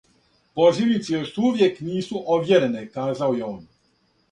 Позивнице још увијек нису "овјерене", казао је он.